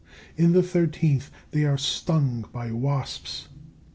In the thirteenth, they are stung by wasps.